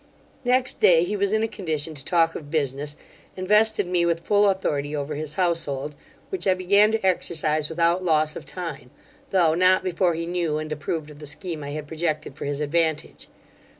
Next day he was in a condition to talk of business, and vested me with full authority over his household, which I began to exercise without loss of time, tho' not before he knew and approved of the scheme I had projected for his advantage.